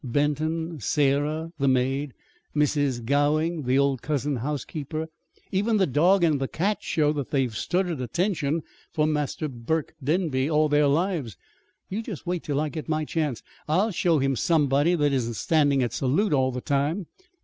Benton, Sarah (the maid), Mrs. Gowing (the old cousin housekeeper) even the dog and the cat show that they've stood at attention for Master Burke Denby all their lives. You just wait till I get my chance. I'll show him somebody that isn't standing at salute all the time."